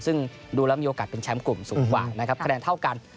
ซึ่งดูแล้วมีโอกาสเป็นแชมป์กลุ่มสูงกว่านะครับคะแนนเท่ากัน